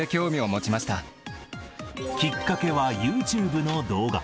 きっかけはユーチューブの動画。